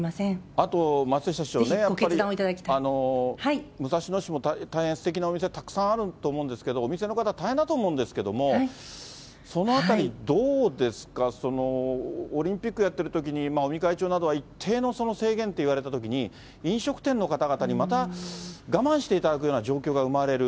あと松下市長ね、武蔵野市も大変すてきなお店、たくさんあると思うんですけれども、お店の方、大変だと思うんですけれども、そのあたり、どうですか、オリンピックやってるときに、尾身会長などは、一定の制限といわれたときに、飲食店の方々に、また我慢していただくような状況が生まれる。